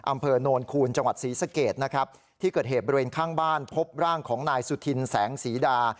อำเภอโนนคูณจังหวัดศรีสเกตนะครับที่เกิดเหตุบริเวณข้างบ้านพบร่างของนายสุธินแสงสีดา